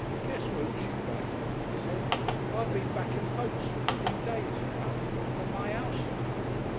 "Jes' mooching round," he said. "I been back in Folkestone free days now. At my 'ouse, you know."